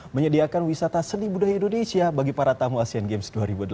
menyediakan wisata seni budaya indonesia bagi para tamu asean games dua ribu delapan belas